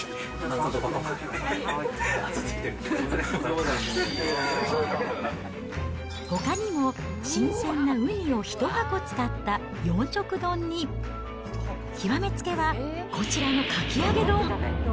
うん、ほかにも、新鮮なウニを１箱使った四色丼に、極め付けはこちらのかき揚げ丼。